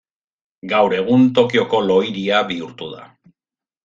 Gaur egun Tokioko lo-hiria bihurtu da.